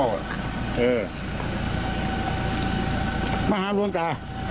ครับ